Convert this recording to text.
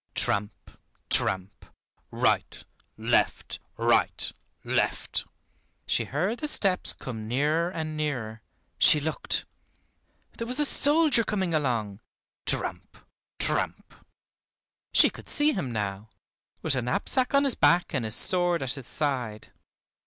Tramp, tramp; right, left, right, left. She heard the steps come nearer and nearer. She looked! There was a soldier coming along; tramp, tramp. She could see him now, with a knapsack on his back, and his sword at his side.